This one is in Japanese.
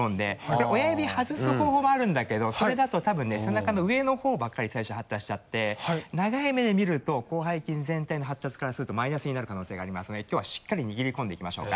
これ親指外す方法もあるんだけどそれだと多分ね背中の上の方ばっかり最初発達しちゃって長い目でみると広背筋全体の発達からするとマイナスになる可能性がありますのできょうはしっかり握り込んでいきましょうか。